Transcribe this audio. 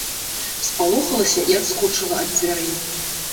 Спалохалася і адскочыла ад дзвярэй.